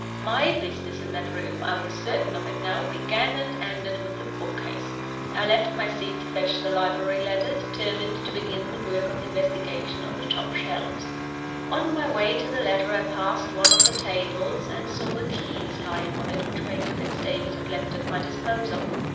My business in that room (I was certain of it now!) began and ended with the book case. I left my seat to fetch the library ladder, determining to begin the work of investigation on the top shelves. On my way to the ladder I passed one of the tables, and saw the keys lying on it which Major Fitz David had left at my disposal.